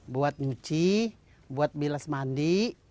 buat nyuci buat bilas mandi